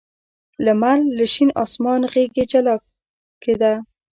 لمر له شین اسمان غېږې جلا کېده.